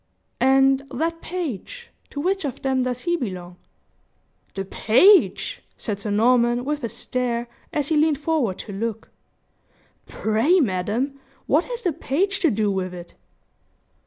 "And that page, to which of them does he belong?" "The page!" said Sir Norman, with a stare, as he leaned forward to look; "pray, madam, what has the page to do with it?"